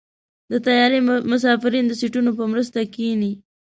د طیارې مسافرین د سیټونو په مرسته کېني.